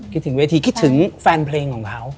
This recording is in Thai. คิดถึงเวทีคิดถึงแฟนเพลงของเขา